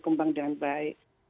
kembang dengan baik